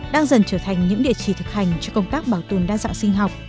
đang dần trở thành những địa chỉ thực hành cho công tác bảo tồn đa dạng sinh học